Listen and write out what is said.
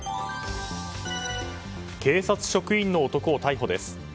警察職員の男を逮捕です。